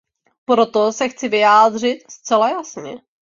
Proto se chci vyjádřit zcela jasně.